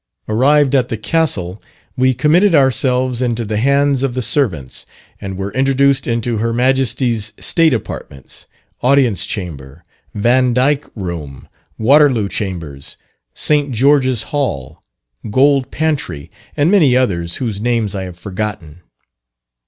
Arrived at the castle, we committed ourselves into the hands of the servants, and were introduced into Her Majesty's State apartments, Audience Chamber, Vandyck Room, Waterloo Chambers, St. George's Hall, Gold Pantry, and many others whose names I have forgotten.